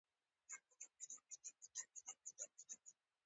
پلار د صداقت مجسمه ده.